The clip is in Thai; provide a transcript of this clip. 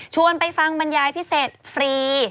ไปฟังบรรยายพิเศษฟรี